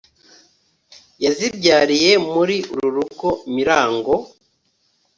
yazibyariye muri uru rugo mirango